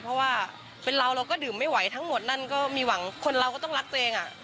เพราะว่าเป็นเราเราก็ดื่มไม่ไหวทั้งหมดนั่นก็มีหวังคนเราก็ต้องรักตัวเอง